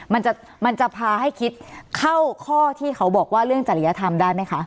มันจะมันจะพาให้คิดเข้าข้อที่เขาบอกว่าเรื่องจริยธรรมได้ไหมคะ